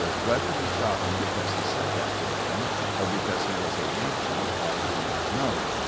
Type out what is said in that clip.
Whether he shot him because he said that to him, or because he was a Yankee, I do not know.